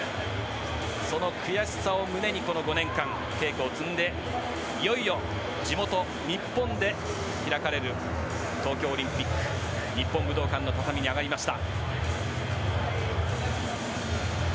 その悔しさを胸にこの５年間稽古を積んでいよいよ地元・日本で開かれる東京オリンピック日本武道館の畳に上がりました。